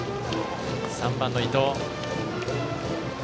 ３番の伊藤。